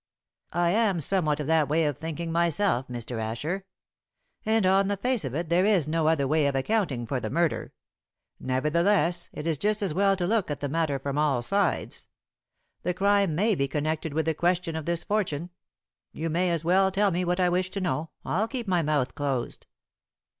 "I am somewhat of that way of thinking myself, Mr. Asher. And on the face of it there is no other way of accounting for the murder. Nevertheless it is just as well to look at the matter from all sides. The crime may be connected with the question of this fortune. You may as well tell me what I wish to know. I'll keep my mouth closed."